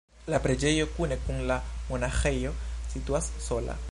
La preĝejo kune kun la monaĥejo situas sola.